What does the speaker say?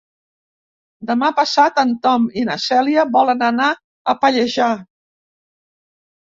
Demà passat en Tom i na Cèlia volen anar a Pallejà.